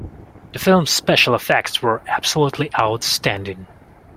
The film's special effects were absolutely outstanding.